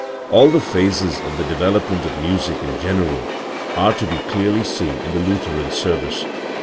All the phases of the development of music in general are to be clearly seen in the Lutheran service.